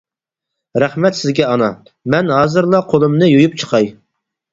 رەھمەت سىزگە ئانا، مەن ھازىرلا قۇلۇمنى يۇيۇپ چىقاي.